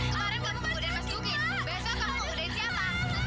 kemarin kamu menggoda mas dukin besok kamu menggoda siapa